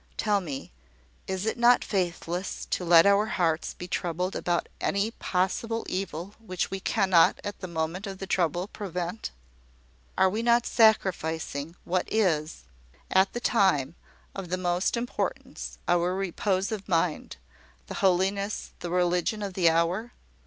Tell me, is it not faithless to let our hearts be troubled about any possible evil which we cannot, at the moment of the trouble, prevent? And are we not sacrificing, what is, at the time, of the most importance our repose of mind, the holiness, the religion of the hour?"